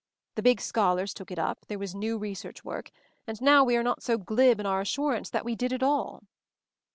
The big scholars took it up, there was new research work, and now we are not so glib in our assurance that we did it all."